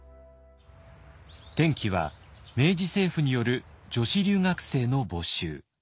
転機は明治政府による女子留学生の募集。